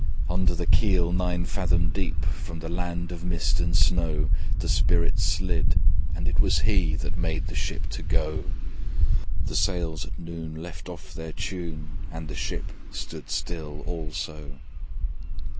Under the keel nine fathom deep, From the land of mist and snow, The spirit slid: and it was he That made the ship to go. The sails at noon left off their tune, And the ship stood still also.